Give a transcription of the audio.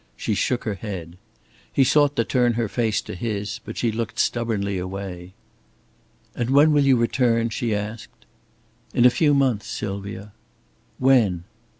She shook her head. He sought to turn her face to his, but she looked stubbornly away. "And when will you return?" she asked. "In a few months, Sylvia." "When?"